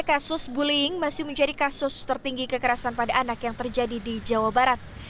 kasus bullying masih menjadi kasus tertinggi kekerasan pada anak yang terjadi di jawa barat